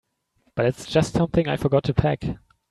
But it's just something I forgot to pack.